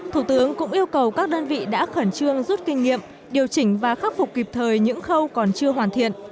thủ tướng cũng yêu cầu các đơn vị đã khẩn trương rút kinh nghiệm điều chỉnh và khắc phục kịp thời những khâu còn chưa hoàn thiện